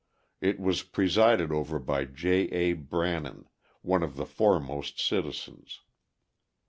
It was presided over by J. A. Brannan, one of the foremost citizens.